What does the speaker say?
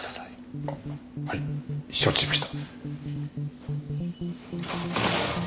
はい承知しました。